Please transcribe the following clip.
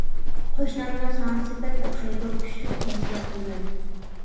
قوشنامنىڭ ساڭزىسى بەك ئوخشايدۇ، كۈچلۈك تەۋسىيە قىلىمەن.